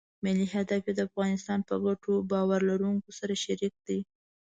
ملي هدف یې د افغانستان په ګټو باور لرونکو سره شریک دی.